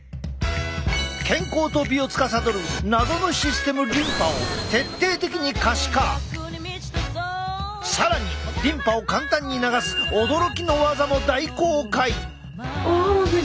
健康と美をつかさどる謎のシステムリンパを更にリンパを簡単に流す驚きのワザも大公開！